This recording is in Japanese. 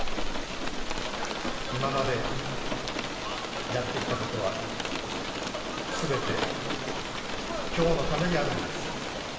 今まで、やってきたことは全て、今日のためにあるのです。